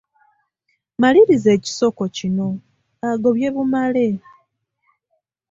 Maliriza ekisoko kino: Agobye bumale....